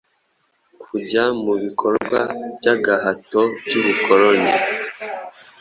kujya mu bikorwa by'agahato by'ubukoloni; •